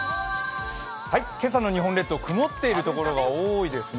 今朝の日本列島、曇っているところが多いですね。